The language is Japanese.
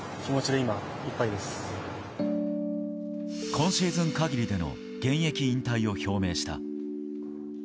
今シーズン限りでの現役引退を表明した。